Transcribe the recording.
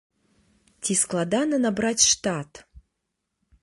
Ці складана набраць штат?